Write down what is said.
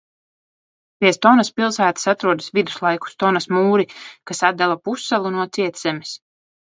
Pie Stonas pilsētas atrodas viduslaiku Stonas mūri, kas atdala pussalu no cietzemes.